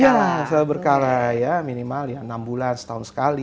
ya secara berkala ya minimal enam bulan setahun sekali